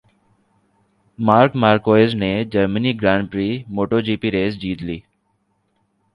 mark Marquez نے جرمنی grand prix motto جی پی race جیت لی